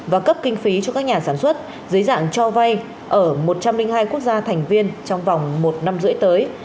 và cấp kinh phí cho các nhà sản xuất dưới dạng cho vay ở một trăm linh hai quốc gia thành viên trong vòng một năm rưỡi tới